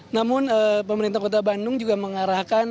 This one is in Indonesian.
namun pemerintah kota bandung juga mengarahkan